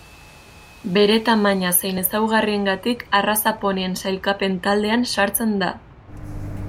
Bere tamaina zein ezaugarriengatik arraza ponien sailkapen taldean sartzen da.